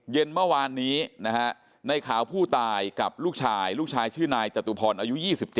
เย็นเมื่อวานนี้ภูตายกับลูกชายหญิงชื่อนายจตุพรอายุ๒๗